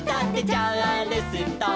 「チャールストン」